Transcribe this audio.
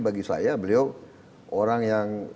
bagi saya beliau orang yang